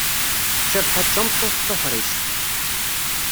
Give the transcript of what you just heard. Cabḥa d tameṭṭut tuḥrict.